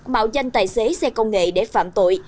mạo danh tài xế xe công nghệ để phạm tội